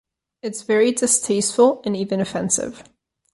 It's very distasteful and even offensive.